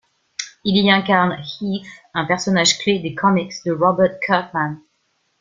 Il y incarne Heath, un personnage-clef des comics de Robert Kirkman.